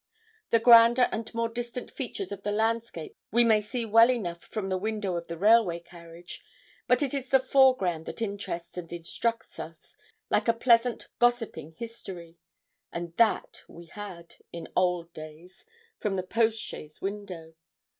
The grander and more distant features of the landscape we may see well enough from the window of the railway carriage; but it is the foreground that interests and instructs us, like a pleasant gossiping history; and that we had, in old days, from the post chaise window.